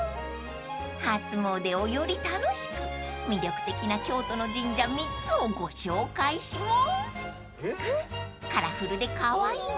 ［初詣をより楽しく魅力的な京都の神社３つをご紹介します］